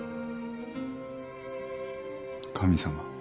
神様。